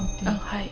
はい。